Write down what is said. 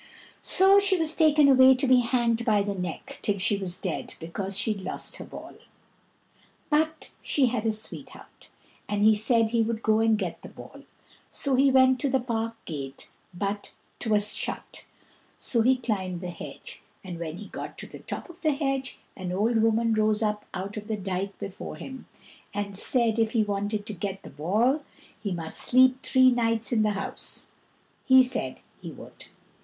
So she was taken away to be hanged by the neck till she was dead because she'd lost her ball. But she had a sweetheart, and he said he would go and get the ball. So he went to the park gate, but 't was shut; so he climbed the hedge, and when he got to the top of the hedge, an old woman rose up out of the dyke before him, and said, if he wanted to get the ball, he must sleep three nights in the house. He said he would.